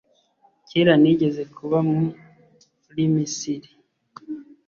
kera nigeze kuba muri misiri